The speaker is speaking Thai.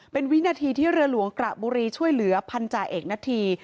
เป็นวินาทีที่เรือหลวงกระบุรีช่วยเหลือพันธาเอกณฑี